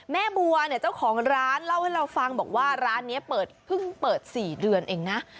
แม่บัวเนี่ยเจ้าของร้านเล่าให้เราฟังบอกว่าร้านนี้เปิดเพิ่งเปิด๔เดือนเองนะ